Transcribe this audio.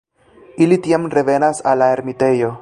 Ili tiam revenas al la ermitejo.